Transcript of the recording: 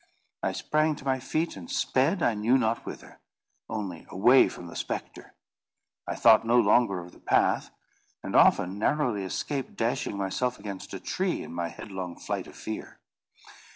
I sprang to my feet, and sped I knew not whither, only away from the spectre. I thought no longer of the path, and often narrowly escaped dashing myself against a tree, in my headlong flight of fear.